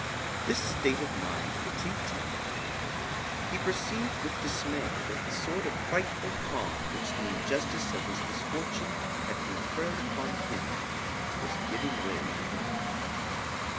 This state of mind fatigued him. He perceived with dismay that the sort of frightful calm which the injustice of his misfortune had conferred upon him was giving way within him.